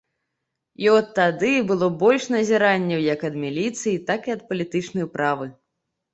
І от тады было больш назіранняў як ад міліцыі, так і ад палітычнай управы.